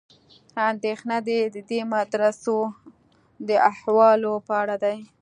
اندېښنه د دې مدرسو د احوالو په اړه ده.